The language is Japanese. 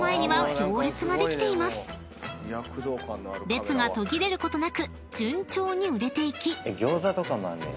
［列が途切れることなく順調に売れていき］